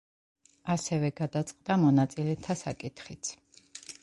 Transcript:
ასევე გადაწყდა მონაწილეთა საკითხიც.